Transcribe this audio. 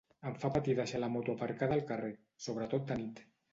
Em fa patir deixar la moto aparcada al carrer, sobretot de nit.